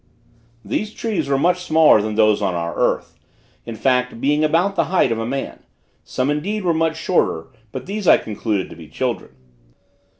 These trees were much smaller than those on our earth, in fact being about the height of a man; some indeed were much shorter; but these I concluded to be children.